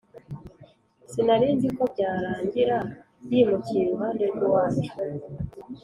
Sinarinziko byarangira yimukiye iruhande rwiwacu